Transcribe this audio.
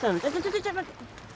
ちょちょ待って。